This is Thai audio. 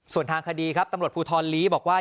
ส่วนทางคดีครับตำรวจภูทรลีบอกว่า